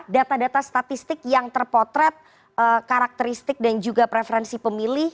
data data statistik yang terpotret karakteristik dan juga preferensi pemilih